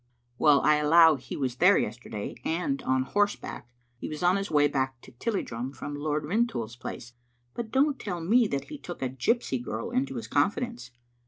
" Well, I allow he was there yesterday, and on horse back. He was on his way back to Tilliedrum from Lord Rintoul's place. But don't tell me that he took a gypsy girl into his confidence."